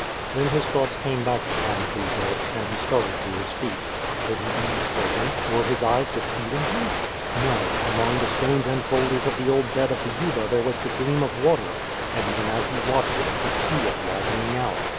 Then his thoughts came back to Pine Tree Gulch, and he started to his feet. Could he be mistaken? Were his eyes deceiving him? No; among the stones and boulders of the old bed of the Yuba there was the gleam of water, and even as he watched it he could see it widening out.